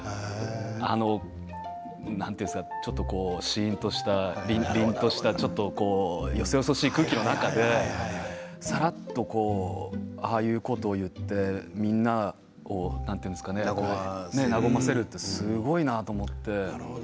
あのちょっとシーンとしたりんとしたよそよそしい空気の中でさらっと、ああいうことを言ってみんなを和ませるってすごいなと思って。